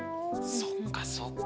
そっかそっか。